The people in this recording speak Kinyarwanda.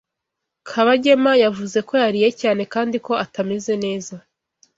Kabagema yavuze ko yariye cyane kandi ko atameze neza.